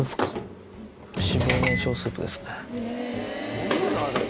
そんなのあるの？